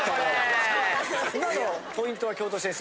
今のポイントは京都先生